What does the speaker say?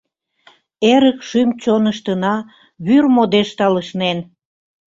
Эрык шӱм-чоныштына Вӱр модеш талышнен.